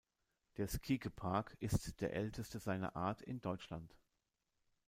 Der Skike-Park ist der älteste seiner Art in Deutschland.